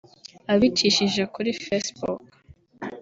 Abicishije kuri Facebook